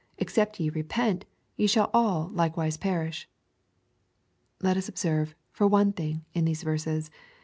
Except ye repent, ye shall all likewise peiish." Let us observe, for one thing, in these verses.